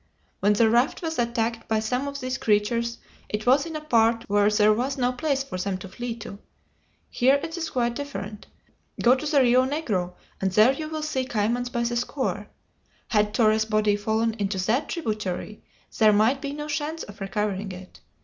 When the raft was attacked by some of these creatures it was in a part where there was no place for them to flee to. Here it is quite different. Go to the Rio Negro, and there you will see caymans by the score. Had Torres' body fallen into that tributary there might be no chance of recovering it.